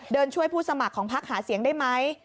ช่วยผู้สมัครของพักหาเสียงได้ไหม